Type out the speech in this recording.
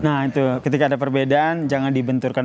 nah itu ketika ada perbedaan jangan dibenturkan